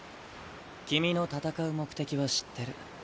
君の戦う目的は知ってる。